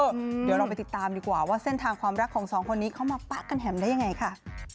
เดี๋ยวเราไปติดตามดีกว่าว่าเส้นทางความรักของสองคนนี้เขามาปะกันแฮมได้ยังไงค่ะ